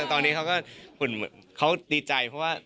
ตอนนี้เขาก็เหมือนเขาดีใจเพราะว่า